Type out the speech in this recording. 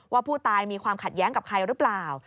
ว่าผู้ตายมีความขัดแย้งกับใครหรือเปล่า